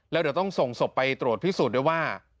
แล้วเดี๋ยวต้องส่งศพไปตรวจพิสูจน์ด้วยว่า